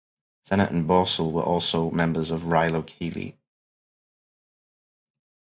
Sennett and Boesel were also members of Rilo Kiley.